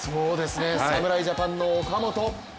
侍ジャパンの岡本